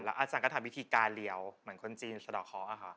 อาจารย์ก็ทำวิธีการเดียวเหมือนคนจีนสะดอกเคาะค่ะ